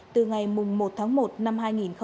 từ ngày một tháng một năm hai nghìn hai mươi